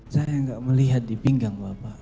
saya nggak melihat di pinggang bapak